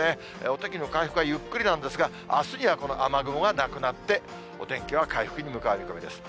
お天気の回復はゆっくりなんですが、あすには、この雨雲がなくなって、お天気は回復に向かう見込みです。